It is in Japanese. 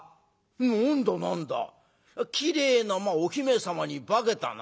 「何だ何だきれいなお姫様に化けたな。